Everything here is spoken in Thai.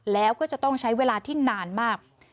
แล้วก็จะต้องใช้เวลาที่นานมาก